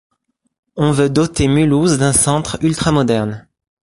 On veut doter Mulhouse d'un centre ultra-moderne.